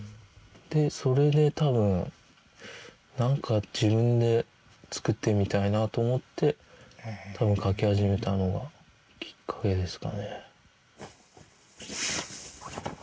でそれで多分何か自分で作ってみたいなと思って多分描き始めたのがきっかけですかね。